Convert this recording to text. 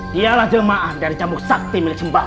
dialah jemaah dari jambu sakti milik sembar